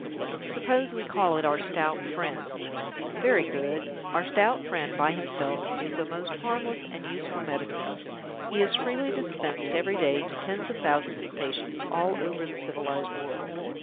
Suppose we call it 'our Stout Friend'? Very good. Our Stout Friend, by himself, is a most harmless and useful medicine. He is freely dispensed every day to tens of thousands of patients all over the civilized world.